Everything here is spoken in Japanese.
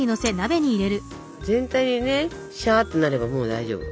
全体にねしゃってなればもう大丈夫。